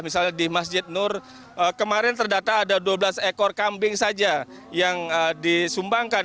misalnya di masjid nur kemarin terdata ada dua belas ekor kambing saja yang disumbangkan